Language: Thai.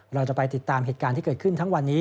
เราจะไปติดตามเหตุการณ์ที่เกิดขึ้นทั้งวันนี้